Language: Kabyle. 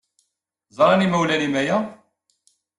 Ẓran yimawlan-nnem aya?